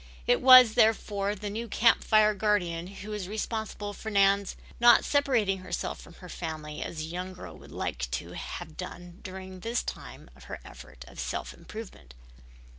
It was therefore the new Camp Fire guardian who was responsible for Nan's not separating herself from her family as the young girl would like to have done during this time of her effort at self improvement.